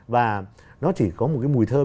và nó chỉ có một cái mùi thơm